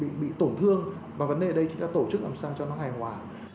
không nên bị tổn thương và vấn đề đây chúng ta tổ chức làm sao cho nó hài hòa